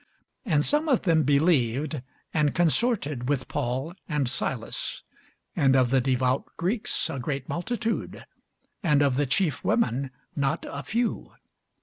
And some of them believed, and consorted with Paul and Silas; and of the devout Greeks a great multitude, and of the chief women not a few.